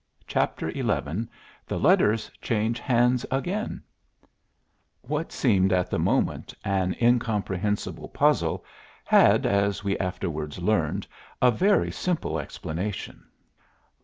CHAPTER XI THE LETTERS CHANGE HANDS AGAIN What seemed at the moment an incomprehensible puzzle had, as we afterwards learned, a very simple explanation.